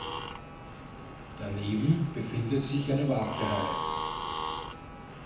Daneben befindet sich eine Wartehalle.